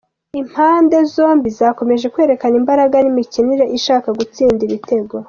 Impande zombi zakomeje kwerekana imbaraga n’imikinire ishaka gutsinda ibitego.